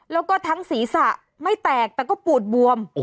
แล้วก็ทั้งศีรษะไม่แตกแต่ก็ปูดบวม